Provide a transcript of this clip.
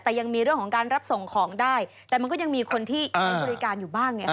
แต่ยังมีเรื่องของการรับส่งของได้แต่มันก็ยังมีคนที่ใช้บริการอยู่บ้างไง